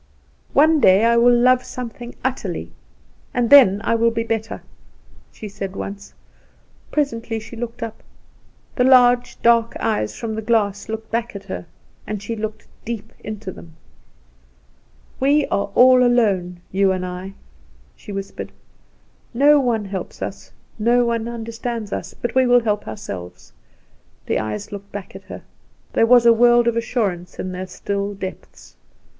"One day I will love something utterly, and then I will be better," she said once. Presently she looked up. The large, dark eyes from the glass looked back at her. She looked deep into them. "We are all alone, you and I," she whispered; "no one helps us, no one understands us; but we will help ourselves." The eyes looked back at her. There was a world of assurance in their still depths.